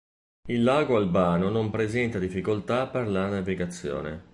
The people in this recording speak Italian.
Il Lago Albano non presenta difficoltà per la navigazione.